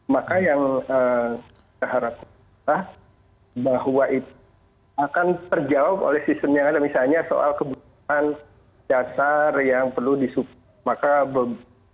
maka yang kita harapkan adalah bahwa itu akan terjawab oleh sistem yang ada misalnya soal kebutuhan dasar yang perlu disupport